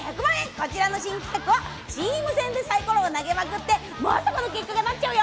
こちらの新企画はチーム戦でサイコロを投げまくって、まさかの結果が出ちゃうよ。